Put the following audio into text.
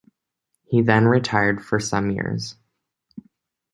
He then retired for some years.